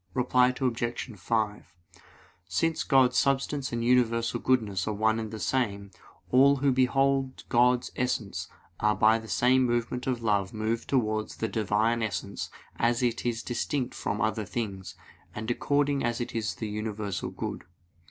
Reply Obj. 5: Since God's substance and universal goodness are one and the same, all who behold God's essence are by the same movement of love moved towards the Divine essence as it is distinct from other things, and according as it is the universal good.